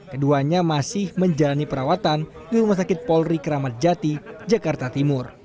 keduanya masih menjalani perawatan di rumah sakit polri kramat jati jakarta timur